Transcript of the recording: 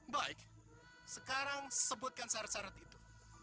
baik sekarang sebutkan syarat syarat itu